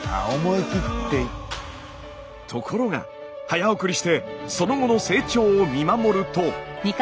ところが早送りしてその後の成長を見守ると。